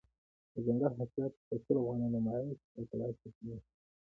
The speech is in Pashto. دځنګل حاصلات د ټولو افغانانو د معیشت یوه طبیعي سرچینه ده.